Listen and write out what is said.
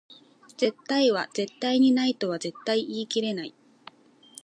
絶対は絶対にないとは絶対言い切れない